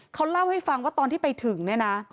เขาเล่าให้ฟังว่าตอนที่ไปถึง